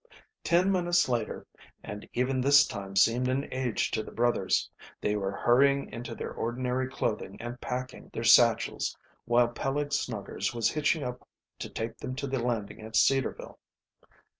Ten minutes later and even this time seemed an age to the brothers they were hurrying into their ordinary clothing and packing, their satchels, while Peleg Snuggers was hitching up to take them to the landing at Cedarville.